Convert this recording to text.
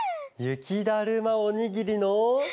ゆきだるまおにぎりの。